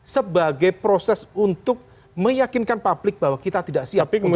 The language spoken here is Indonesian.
sebagai proses untuk meyakinkan publik bahwa kita tidak siap untuk pemilu dua ribu dua puluh empat